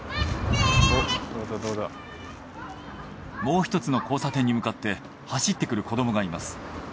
もう一つの交差点に向かって走ってくる子どもがいます。